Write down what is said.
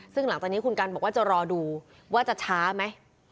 ซึ่งหลังจากนี้คุณกันบอกว่าจะรอดูว่าจะช้าไหม